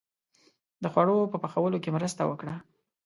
• د خوړو په پخولو کې مرسته وکړه.